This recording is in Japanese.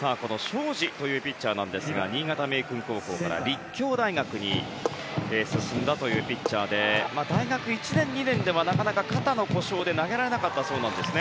この荘司というピッチャーなんですが新潟明訓高校から立教大学に進んだというピッチャーで大学１年２年ではなかなか肩の故障で投げられなかったそうなんですね。